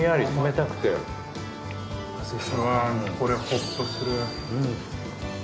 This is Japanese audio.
これホッとする。